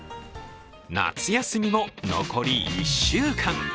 夏休みも残り１週間。